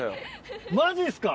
マジっすか！